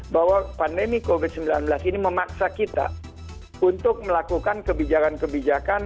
bahwa pandemi covid sembilan belas ini memaksa kita untuk melakukan kebijakan kebijakan